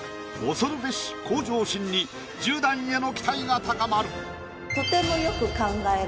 恐るべし向上心に１０段への期待が高まる。